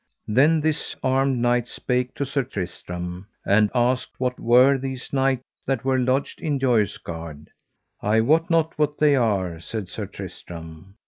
Then this armed knight spake to Sir Tristram, and asked what were these knights that were lodged in Joyous Gard. I wot not what they are, said Sir Tristram.